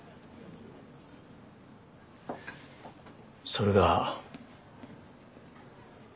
それが。